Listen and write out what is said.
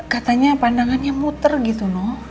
katanya pandangannya muter gitu loh